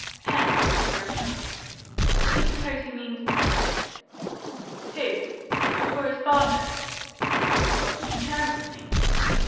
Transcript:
"Pen," she broke out, "what do you suppose he means by it?" "Who? Mr. Corey's father? What does the Colonel think?"